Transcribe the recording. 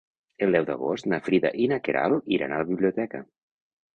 El deu d'agost na Frida i na Queralt iran a la biblioteca.